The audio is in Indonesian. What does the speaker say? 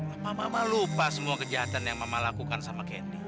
apa mama lupa semua kejahatan yang mama lakukan sama kendi